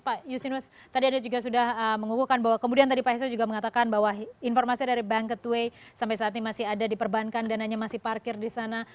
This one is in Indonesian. pak justinus tadi ada juga sudah mengukuhkan bahwa kemudian tadi pak hesro juga mengatakan bahwa informasi dari banketway sampai saat ini masih ada di perbankan dananya masih parkir di sana